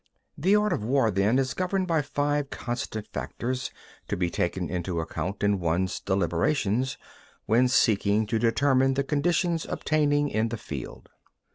3. The art of war, then, is governed by five constant factors, to be taken into account in one's deliberations, when seeking to determine the conditions obtaining in the field.